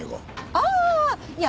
ああいや